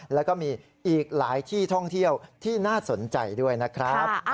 แล้วก็มีอีกหลายที่ท่องเที่ยวที่น่าสนใจด้วยนะครับ